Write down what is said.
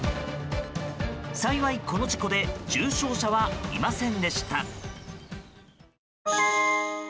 幸い、この事故で重傷者はいませんでした。